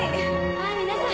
はい皆さん。